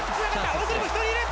奥にも１人いる！